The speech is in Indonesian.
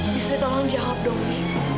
bisri tolong jawab dong bi